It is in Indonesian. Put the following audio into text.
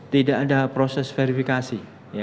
tidak ada proses verifikasi